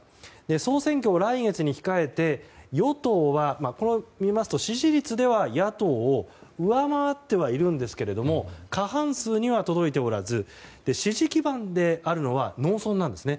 総選挙を来月に控えて与党は、こう見ますと支持率では野党を上回ってはいるんですけれども過半数には届いておらず支持基盤であるのは農村なんですね。